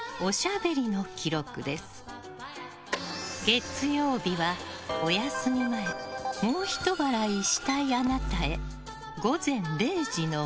月曜日は、お休み前もうひと笑いしたいあなたへ。